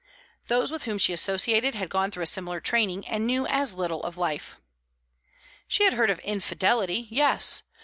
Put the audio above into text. Those with whom she associated had gone through a similar training, and knew as little of life. She had heard of "infidelity;" yes.